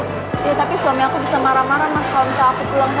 iya tapi suami aku bisa marah marah mas kalau misalnya aku pulang